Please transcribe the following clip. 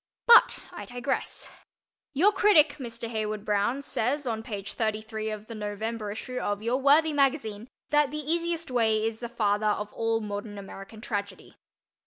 But I digress. Your critic, Mr. Heywood Broun, says on page 33 of the November issue of your worthy magazine that The Easiest Way is the father of all modern American tragedy.